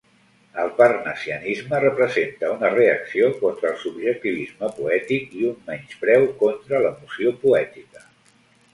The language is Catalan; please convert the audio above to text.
El parnassianisme representa una reacció contra el subjectivisme poètic i un menyspreu contra l'emoció poètica.